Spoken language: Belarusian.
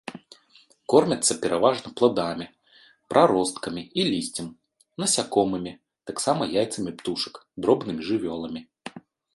Кормяцца пераважна пладамі, праросткамі і лісцем, насякомымі, таксама яйцамі птушак, дробнымі жывёламі.